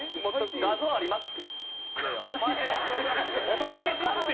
「画像あります」って。